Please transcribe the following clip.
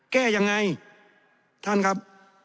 แก้ยังไงท่านครับ